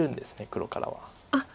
黒からは。